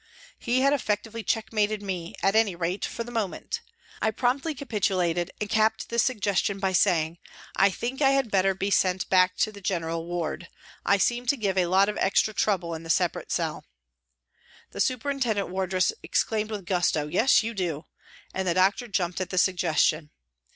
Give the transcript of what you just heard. He had effectively checkmated me, at any rate for the moment. I promptly capitulated and capped this suggestion by saying :" I think I had better be sent back to the general ward ; I seem to give a lot of extra trouble in the separate cell." The superintendent wardress exclaimed with gusto, " Yes, you do," and the doctor jumped at the suggestion.